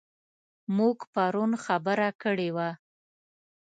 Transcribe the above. موږ پرون خبره کړې وه.